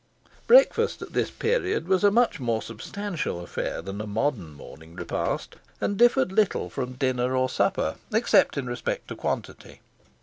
Breakfast at this period was a much more substantial affair than a modern morning repast, and differed little from dinner or supper, except in respect to quantity.